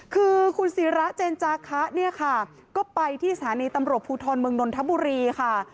คือคุณศิระเจนจาคะเนี่ยค่ะก็ไปที่สถานีตำรวจภูทรเมืองนนทบุรีค่ะ